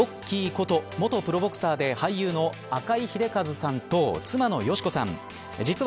浪速のロッキーこと元プロボクサーで俳優の赤井英和さんと妻の佳子さん。